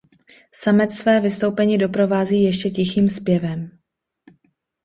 Samec své vystoupení doprovází ještě tichým zpěvem.